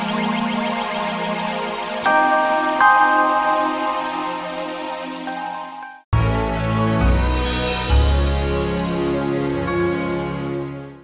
sampai jumpa lagi